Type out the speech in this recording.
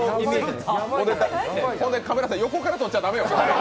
カメラさん横から撮っちゃ駄目よ。